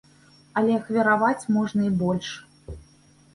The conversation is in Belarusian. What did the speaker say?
Але ахвяраваць можна і больш.